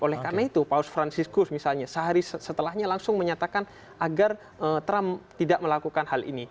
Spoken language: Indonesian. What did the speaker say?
oleh karena itu paus franciscus misalnya sehari setelahnya langsung menyatakan agar trump tidak melakukan hal ini